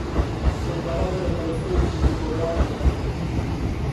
O seu cadáver apareceu xunto co de Ánxel Casal.